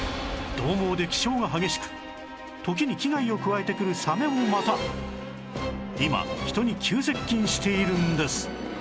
獰猛で気性が激しく時に危害を加えてくるサメもまた今人に急接近しているんです